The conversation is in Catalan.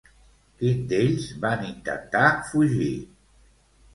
Quins d'ells van intentar fugir?